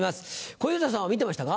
小遊三さんは見てましたか？